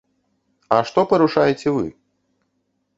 А што парушаеце вы?